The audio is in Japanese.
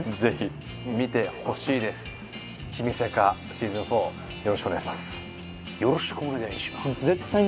シーズン４よろしくお願いします。